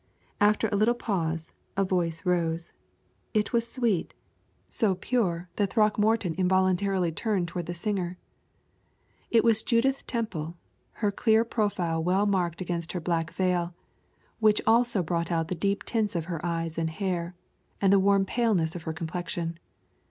After a little pause, a voice rose. It was so sweet, so pure, that Throckmorton involuntarily turned toward the singer. It was Judith Temple, her clear profile well marked against her black veil, which also brought out the deep tints of her eyes and hair, and the warm paleness of her complexion.